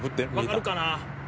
「わかるかな？」